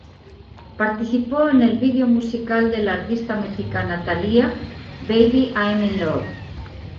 Participó en el video musical de la artista mexicana Thalía "Baby, I'm in Love".